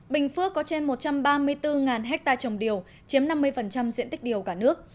bình phước có trên một trăm ba mươi bốn ha trồng điều chiếm năm mươi diện tích điều cả nước